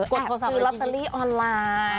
กดโทรศัพท์ออนไลน์